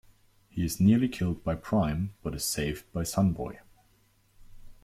He is nearly killed by Prime, but is saved by Sun Boy.